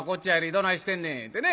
どないしてんねん」言うてね。